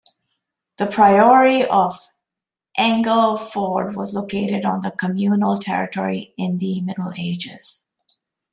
The Priory of Anglefort was located on the communal territory in the Middle Ages.